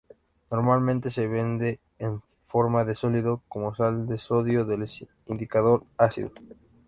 Normalmente, se vende en forma de sólido como sal de sodio del indicador ácido.